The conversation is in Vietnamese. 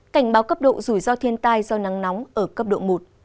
cảnh báo cấp độ rủi ro thiên tai do nắng nóng ở cấp độ một